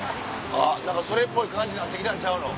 あっ何かそれっぽい感じになって来たんちゃうの？